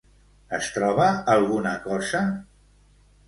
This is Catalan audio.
Es troba alguna cosa?